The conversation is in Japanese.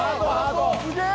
すげえ！